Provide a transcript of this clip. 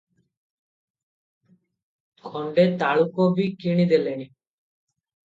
ଖଣ୍ଡେ ତାଲୁକ ବି କିଣି ଦେଲେଣି ।